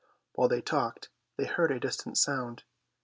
While they talked they heard a distant sound.